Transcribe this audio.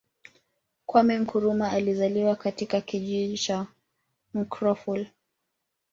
Kwame Nkrumah alizaliwa katika kijiji cha Nkroful